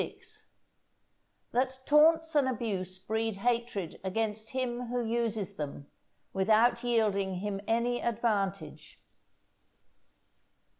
—_That Taunts and Abuse breed Hatred against him who uses them, without yielding him any Advantage.